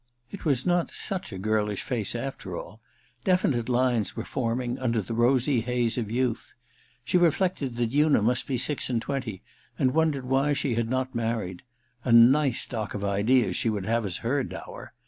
It was not such a girlish face, after all— definite lines were forming under the rosy haze of youth. She reflected that Una must be six and twenty, and wondered why she had not married. A I THE RECKONING 201 nice stock of ideas she would have as her dower